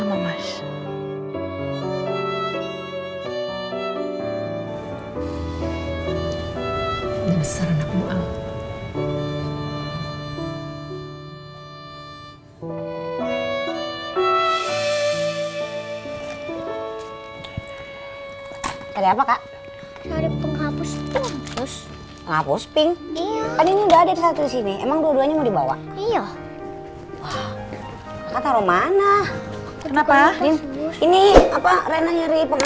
mau tau gak kenapa